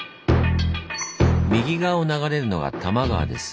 右側を流れるのが多摩川です。